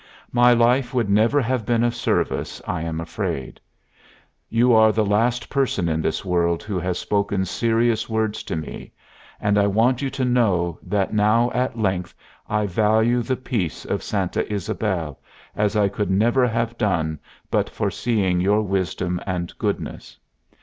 My life would never have been of service, I am afraid. You am the last person in this world who has spoken serious words to me, and I want you to know that now at length I value the peace of Santa Ysabel as I could never have done but for seeing your wisdom and goodness.